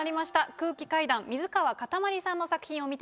空気階段水川かたまりさんの作品を見てみましょう。